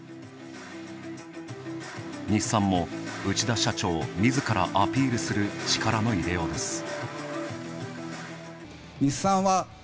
日産も内田社長みずからアピールする力の入れようです。